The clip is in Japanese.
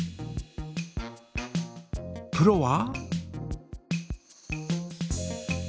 プロは？